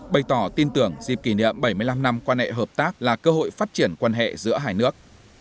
bày tỏ tin tưởng dịp kỷ niệm bảy mươi năm năm quan hệ hợp tác là cơ hội phát triển quan hệ giữa hai nước